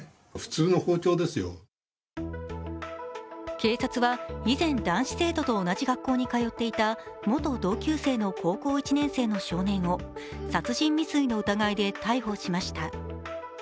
警察は、以前、男子生徒と同じ学校に通っていた元同級生の高校１年生の少年を殺人未遂の疑いで逮捕しました。